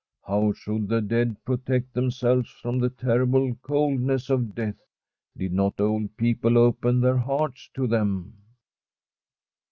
How should the dead protect them selves from the terrible coldness of death did not old people open their hearts to them